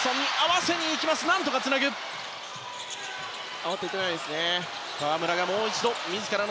慌てていないですね。